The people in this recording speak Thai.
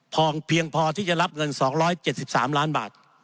ผ่องเพียงพอที่จะรับเงินสองร้อยเจ็ดสิบสามล้านบาท